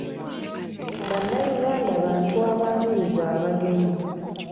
Bannayuganda bantu abaaniriza abagenyi.